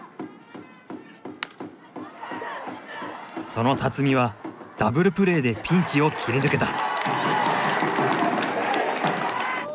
その巽はダブルプレーでピンチを切り抜けた！